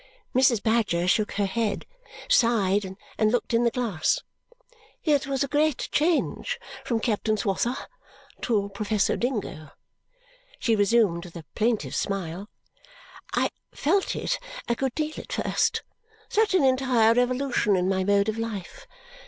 Mrs. Badger shook her head, sighed, and looked in the glass. "It was a great change from Captain Swosser to Professor Dingo," she resumed with a plaintive smile. "I felt it a good deal at first. Such an entire revolution in my mode of life!